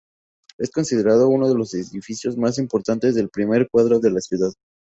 Es considerado uno de los edificios más importantes del primer cuadro de la ciudad.